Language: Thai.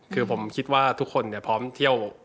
คือผมคิดว่าทุกคนพร้อมเที่ยว